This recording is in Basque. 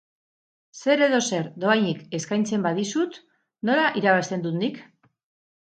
Zer edo zer dohainik eskaintzen badizut, nola irabazten dut nik?